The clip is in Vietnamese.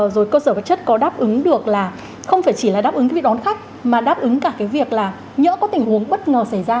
rồi cơ sở vật chất có đáp ứng được là không phải chỉ là đáp ứng cái việc đón khách mà đáp ứng cả cái việc là nhỡ có tình huống